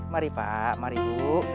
mari pak mari bu